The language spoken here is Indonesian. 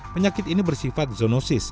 penyakit ini bersifat zonosis